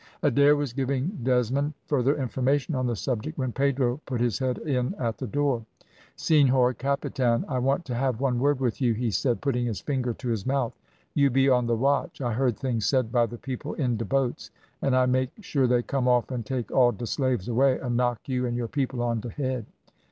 Adair was giving Desmond further information on the subject when Pedro put his head in at the door. "Senhor Capitan, I want to have one word with you," he said, putting his finger to his mouth. "You be on the watch; I heard things said by the people in de boats, and I make sure they come off and take all de slaves away, and knock you and your people on de head.